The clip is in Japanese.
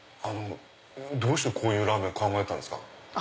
どうしてこういうラーメン考えたんですか？